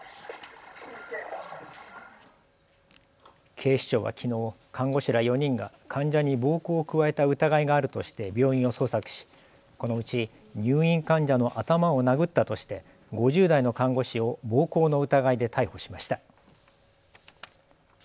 警視庁はきのう看護師ら４人が患者に暴行を加えた疑いがあるとして病院を捜索し、このうち入院患者の頭を殴ったとして５０代の看護師を暴行の疑いで逮捕しました。